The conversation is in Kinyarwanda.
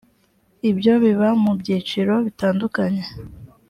byo biba mu byiciro bitandukanye